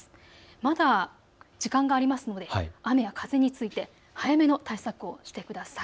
まだ時間がありますので雨や風について早めの対策をしてください。